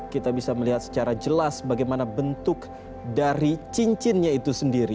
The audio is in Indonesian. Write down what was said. kita bisa melihat secara jelas bagaimana bentuk dari cincinnya itu sendiri